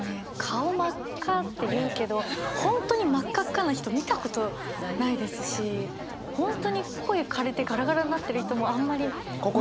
顔真っ赤っていうけど本当に真っ赤っかな人見たことないですし本当に声かれてガラガラになってる人もあんまり見ない。